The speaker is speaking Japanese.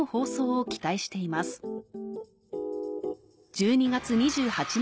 １２月２８日